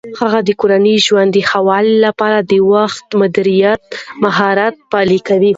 هغه د کورني ژوند د ښه والي لپاره د وخت مدیریت مهارت پلي کوي.